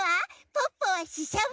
ポッポはししゃも！